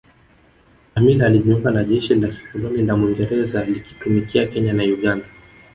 Amin alijiunga na jeshi la kikoloni la Mwingereza likitumikia Kenya na Uganda